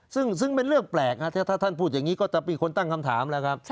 ซึ่งเป็นเรื่องแปลกถ้าท่านพูดอย่างนี้ก็จะมีคนตั้งคำถามแล้วครับ